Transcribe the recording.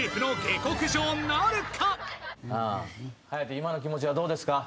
今の気持ちはどうですか？